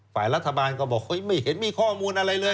ฝ่ายรัฐบาลก็บอกไม่เห็นมีข้อมูลอะไรเลย